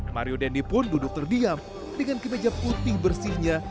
mario dendi pun duduk terdiam dengan kemeja putih bersihnya